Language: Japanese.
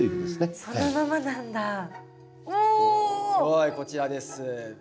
はいこちらです。